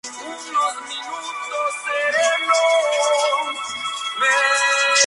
Posiblemente G-Man u otro personaje que trabajaba en Black Mesa.